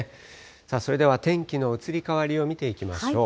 さあ、それでは天気の移り変わりを見ていきましょう。